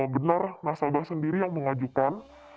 benar nasabah sendiri yang mengajukan